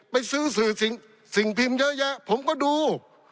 ไปซื้อสื่อสิ่งพิมพ์เยอะแยะผมก็ดู